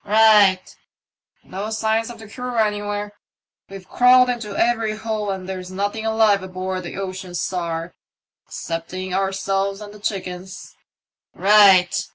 " Eight/' "No signs of the crew anywhere. We've crawled into every hole and there's nothing alive aboard the Ocean Star excepting ourselves and the chickens." "Eight!"